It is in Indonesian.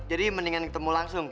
jadi mendingan ketemu langsung